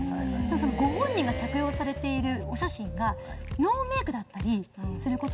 そのご本人が着用されているお写真がノーメイクだったりすることもあるんですよ。